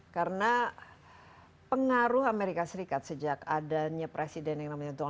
karena pengaruh amerika serikat sejak adanya presiden yang namanya johnson